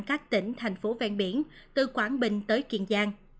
các tỉnh thành phố ven biển từ quảng bình tới kiên giang